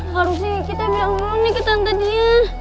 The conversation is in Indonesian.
harusnya kita bilang dulu nih ke tante din